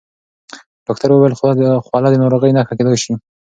ډاکټر وویل خوله د ناروغۍ نښه کېدای شي.